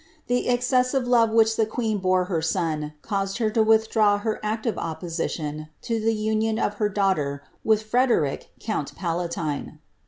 The excessive love which the queen bore her st>n caused her to withdraw her active opposition to the union of her daughter with Frederick count palatine.